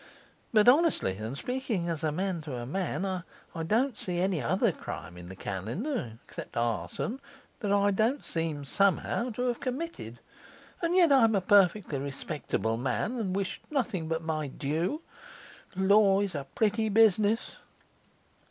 But honestly, and speaking as a man to a man, I don't see any other crime in the calendar (except arson) that I don't seem somehow to have committed. And yet I'm a perfectly respectable man, and wished nothing but my due. Law is a pretty business.